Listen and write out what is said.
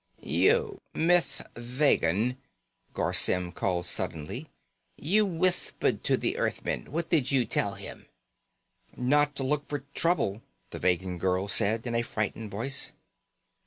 "You, Mith Vegan!" Garr Symm called suddenly. "You whithpered to the Earthman. What did you tell him?" "Not to look for trouble," the Vegan girl said in a frightened voice.